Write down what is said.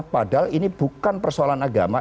padahal ini bukan persoalan agama